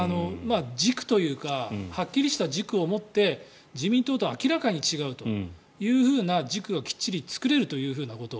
軸というかはっきりした軸を持って自民党と明らかに違うというふうな軸がきっちり作れるということ。